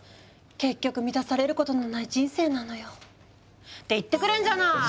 結局満たされることのない人生なのよ。って言ってくれんじゃない！